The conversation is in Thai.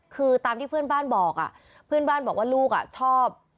คือตามที่เพื่อนบ้านบอกอ่ะเพื่อนบ้านบอกว่าลูกชอบ